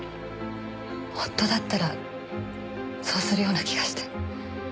夫だったらそうするような気がして。